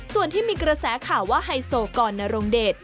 ส่วนที่มีกระแสข่าวว่าไฮโซกรนรงเดช